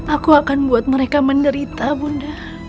aku akan buat mereka menderita bunda